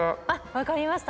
分かりました。